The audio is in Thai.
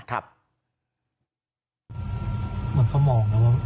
เหมือนเขามองนะว่า